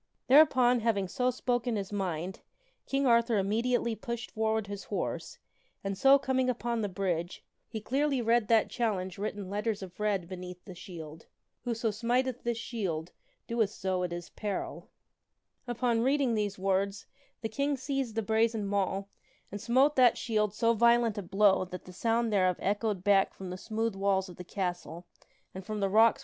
Thereupon, having so spoken his mind, King Arthur immediately pushed forward his horse and so, coming upon the bridge, he clearly read that challenge writ in letters of red beneath the shield : Wbwo Smitetb C&tfi Upon reading these words, the King seized the brazen mall, and smote that shield so violent a blow that the sound thereof echoed King Arthur challenges the back from the smooth walls of the castle, and from the rocks Sable Knight.